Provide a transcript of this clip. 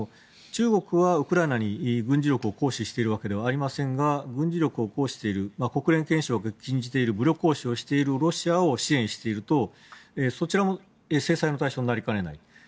中国はウクライナに軍事力を行使しているわけではありませんが軍事力を行使している国連憲章で禁じている武力行使をしているロシアを支援しているとそちらも制裁の対象になりかねない。